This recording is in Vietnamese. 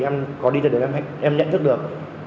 em có đi từ đường em nhận thức được